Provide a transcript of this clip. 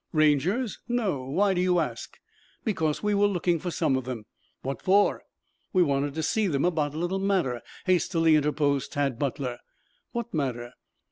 "Rangers? No. Why do you ask?" "Because we were looking for some of them." "What for?" "We wanted to see them about a little matter," hastily interposed Tad Butler. "What matter?"